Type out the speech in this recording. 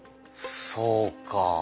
そうか。